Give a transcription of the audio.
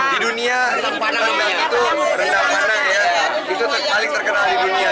di dunia itu rendang rendang ya itu paling terkenal di dunia